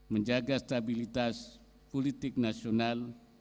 menjaga stabilitas politik nasional